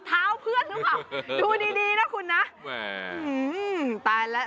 เท้าเพื่อนรึเปล่าดูดีนะคุณนะแหมหือตายแล้ว